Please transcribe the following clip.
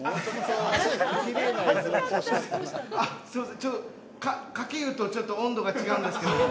ちょっとかけ湯と温度が違うんですけど。